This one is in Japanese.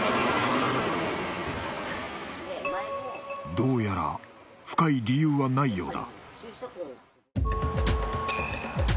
どうやら深い理由はないようだ